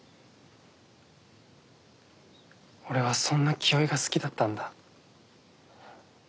俺はそんな清居が好きだったんだ。